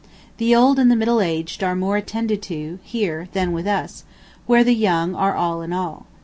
The old and the middle aged are more attended to here than with us, where the young are all in all.